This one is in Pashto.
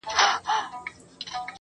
چاته د يار خبري ډيري ښې دي.a